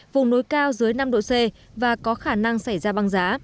vùng núi cao dưới năm độ c và có khả năng xảy ra băng giá